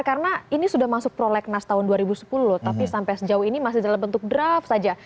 karena ini sudah masuk prolegnas tahun dua ribu sepuluh tapi sampai sejauh ini masih dalam bentuk draft saja